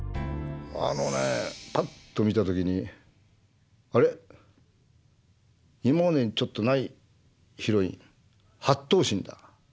あのねパッと見た時に「あれ？今までにちょっとないヒロイン８等身だ。